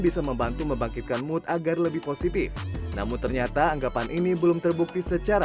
bisa membantu membangkitkan mood agar lebih positif namun ternyata anggapan ini belum terbukti secara